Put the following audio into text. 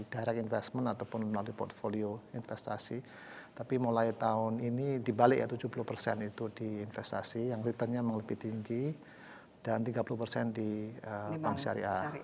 karena yieldnya lebih besar